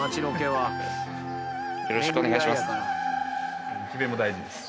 よろしくお願いします。